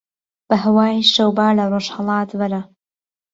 به ههوای شەوبا له ڕۆژههڵات وهره